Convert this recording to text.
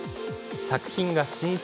作品が神出